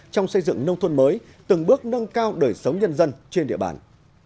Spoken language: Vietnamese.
trong xây dựng nông thôn mới từng bước nâng cao đời sống nhân dân trên địa bàn